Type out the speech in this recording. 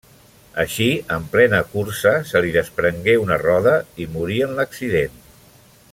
Així, en plena cursa, se li desprengué una roda i morí en l'accident.